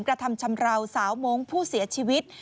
กระทำชำราวสาวมงค์ผู้เสียชีวิต